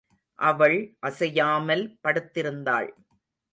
அவள் அசையாமல் படுத்திருந்தாள்.